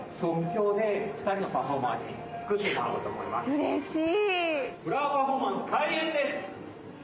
うれしい。